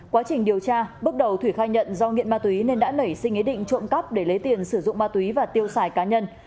quá trình điều tra bước đầu thủy khai nhận do nghiện ma túy nên đã nảy sinh ý định trộm cắp để lấy tiền sử dụng ma túy và tiêu xài cá nhân